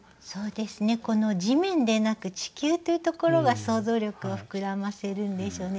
この地面でなく地球というところが想像力を膨らませるんでしょうね。